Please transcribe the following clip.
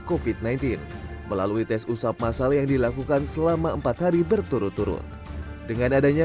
kofit sembilan belas melalui tes usap masal yang dilakukan selama empat hari berturut turut dengan adanya